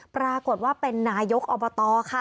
ปรากฏว่าเป็นนายกอบตค่ะ